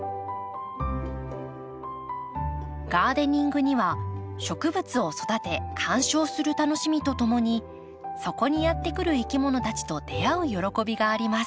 ガーデニングには植物を育て観賞する楽しみとともにそこにやって来るいきものたちと出会う喜びがあります。